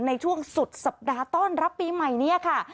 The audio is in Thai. ในช่วงสุดสัปดาห์ต้อนรับปีใหม่นี้ค่ะ